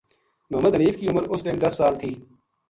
محمد حنیف کی عمر اس ٹیم دس سال تھی